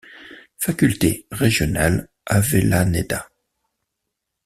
Faculté régionale Avellaneda.